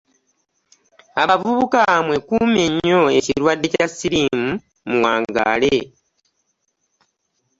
Abavubuka mwekuume nnyo ekirwadde kya ssiriimu muwangaale.